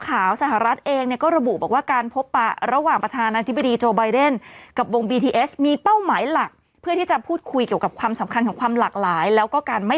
แล้วแกก็บอกว่าเดี๋ยววันรุ่งขึ้นผมจะออกไปลุยต่อแล้ว